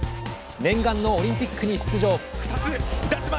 念願のオリンピックに出場。